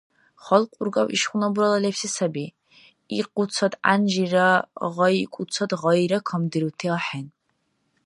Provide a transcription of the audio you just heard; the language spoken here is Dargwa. Халкь-ургаб ишгъуна бурала лебси саби: Икъуцад гӀянжира гъайикӀуцад гъайра камдирути ахӀен.